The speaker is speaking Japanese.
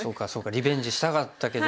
リベンジしたかったけど。